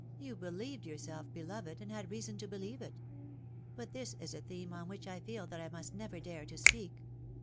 " You believed yourself beloved, and 'had reason to beheve it. But this is a theme on which I feel that I must never dare to speak.